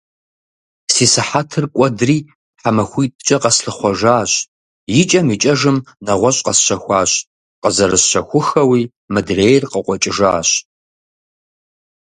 Си сыхьэтыр кӏуэдри, тхьэмахутӏкӏэ къэслъыхъуэжащ. Икӏэм икӏэжым нэгъуэщӏ къэсщэхуащ. Къызэрысщэхуххэуи мыдырейр къыкъуэкӏыжащ.